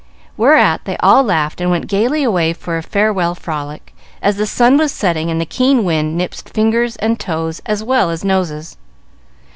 Whereat they all laughed, and went gayly away for a farewell frolic, as the sun was setting and the keen wind nipped fingers and toes as well as noses.